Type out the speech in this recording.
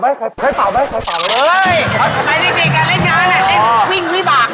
อีกเป่า